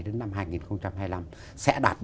đến năm hai nghìn hai mươi năm